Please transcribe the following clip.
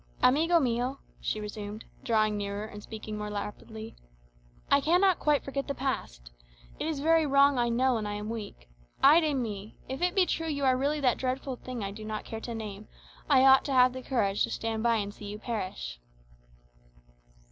"Amigo mio," she resumed, drawing nearer and speaking more rapidly, "I cannot quite forget the past. It is very wrong, I know, and I am weak. Ay de mi! If it be true you really are that dreadful thing I do not care to name, I ought to have the courage to stand by and see you perish."